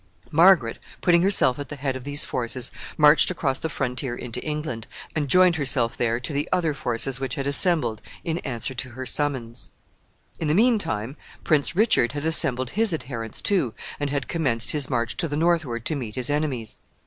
Margaret, putting herself at the head of these forces, marched across the frontier into England, and joined herself there to the other forces which had assembled in answer to her summons. In the mean time, Prince Richard had assembled his adherents too, and had commenced his march to the northward to meet his enemies.